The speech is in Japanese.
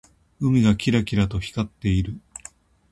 海がキラキラと光っている。